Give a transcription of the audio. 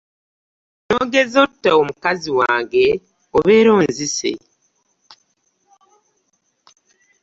N'ogeza otta mukazi wange obeera anzise.